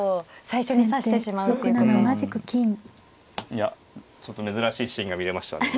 いやちょっと珍しいシーンが見れましたね